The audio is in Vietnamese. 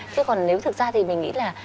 chứ còn nếu thực ra thì mình nghĩ là